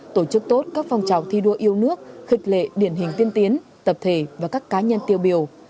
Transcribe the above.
tổ chức tốt các phong trào thi đua yêu nước điển hình tiên tiến tập thể và các cá nhân tiêu biểu